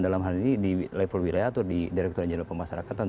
dalam hal ini di level wilayah atau di direkturat jenderal pemasarakatan